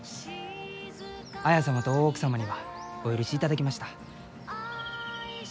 綾様と大奥様にはお許しいただきました。